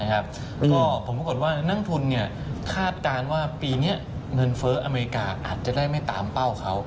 แล้วก็ผลปรากฏว่านักทุนคาดการณ์ว่าปีนี้เงินเฟ้ออเมริกาอาจจะได้ไม่ตามเป้าเขา